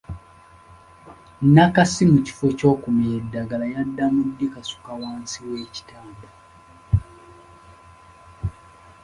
Nakasi mu kifo ky’okumira eddagala yadda mu kulikasuka wansi w’ekitanda.